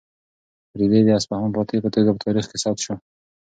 رېدي د اصفهان فاتح په توګه په تاریخ کې ثبت شو.